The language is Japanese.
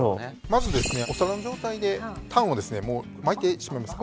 まずですねお皿の状態でタンをですねもう巻いてしまいます。